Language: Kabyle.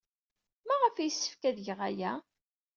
Maɣef ay yessefk ad geɣ aya?